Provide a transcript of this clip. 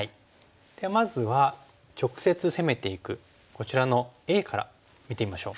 ではまずは直接攻めていくこちらのＡから見てみましょう。